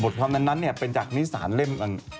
บทความนั้นนั้นเนี่ยเป็นจากนิสารเล่ม